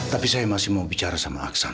tapi saya masih mau bicara sama aksan